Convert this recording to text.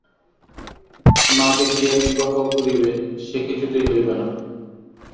না দেখিয়া বিবাহ করিবে, সে কিছুতেই হইবে না।